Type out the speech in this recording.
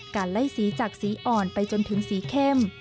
ไล่สีจากสีอ่อนไปจนถึงสีเข้ม